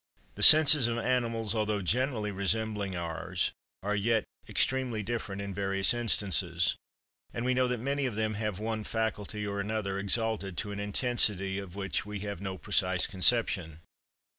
The senses of animals, although generally resembling ours, are yet extremely different in various instances; and we know that many of them have one faculty or another exalted to an intensity of which we have no precise conception.